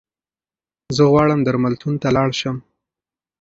زه غواړم درملتون ته لاړشم